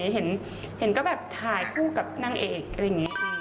เห็นก็แบบถ่ายคู่กับนางเอกอะไรอย่างนี้